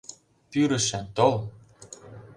Пӱрышӧ, тол!